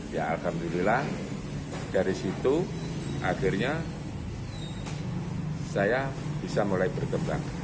ya alhamdulillah dari situ akhirnya saya bisa mulai berkembang